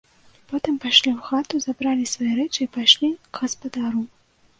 Потым пайшлі ў хату, забралі свае рэчы і пайшлі к гаспадару.